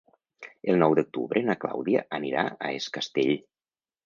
El nou d'octubre na Clàudia anirà a Es Castell.